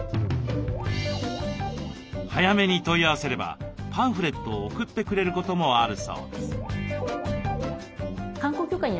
早めに問い合わせればパンフレットを送ってくれることもあるそうです。